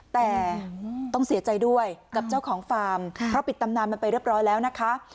แต่ต้องเสียใจด้วยกับเจ้าของฟาร์มเพราะปิดตำนานมันไปเรียบร้อยแล้วนะคะ